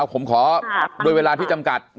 ผมขอโดยเวลาที่จำกัด